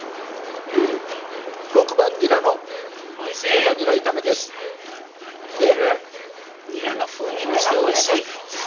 ニラの風味もしておいしい。